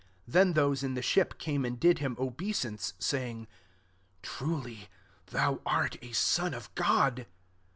SS Then those in the ship came and did him obeisance, saying, " Truly thou art a son. of God.''